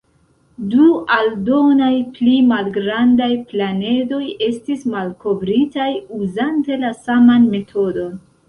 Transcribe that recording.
Du aldonaj pli malgrandaj planedoj estis malkovritaj uzante la saman metodon.